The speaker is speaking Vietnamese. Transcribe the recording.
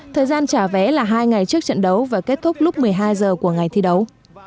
thời gian trả vé là hai ngày trước trận đấu và kết thúc lúc một mươi hai h của ngày thi đấu